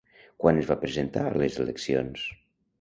Quan es va presentar a les eleccions?